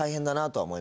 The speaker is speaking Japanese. はい。